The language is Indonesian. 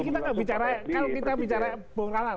nah ini kita tidak bicara bongkalan